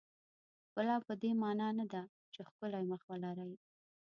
ښکلا پدې معنا نه ده چې ښکلی مخ ولرئ.